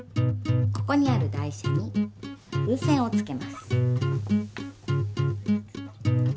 ここにある台車に風船をつけます。